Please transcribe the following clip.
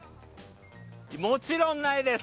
もちろんないです。